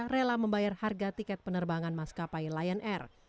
rela membayar harga tiket penerbangan maskapai lion air